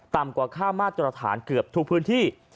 กว่าค่ามาตรฐานเกือบทุกพื้นที่